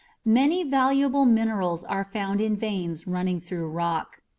Many valuable minerals are found in veins running through rock.